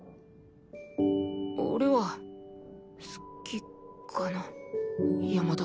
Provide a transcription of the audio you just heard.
俺は好きかな山田を。